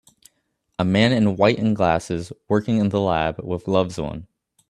A man in white and glasses working in the lab with gloves on